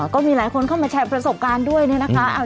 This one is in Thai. ก็มีหลายคนเข้ามาแชร์ประสบการณ์ด้วยเนี่ยนะคะ